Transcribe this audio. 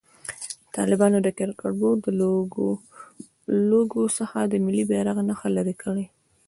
طالبانو د کرکټ بورډ له لوګو څخه د ملي بيرغ نښه لېري کړه.